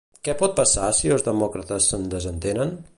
Què pot passar si els demòcrates se'n desentenen?